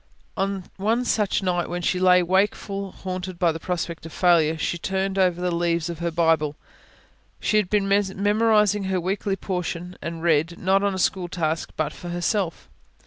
On one such night when she lay wakeful, haunted by the prospect of failure, she turned over the leaves of her Bible she had been memorising her weekly portion and read, not as a school task, but for herself.